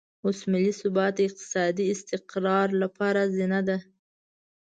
اوس ملي ثبات د اقتصادي استقرار لپاره زینه ده.